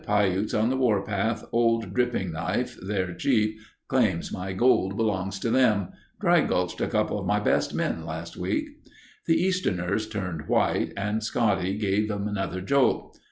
'Piutes on the warpath. Old Dripping Knife, their Chief claims my gold belongs to them. Dry gulched a couple of my best men last week.' "The Easterners turned white and Scotty gave 'em another jolt.